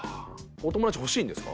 お友達欲しいんですか？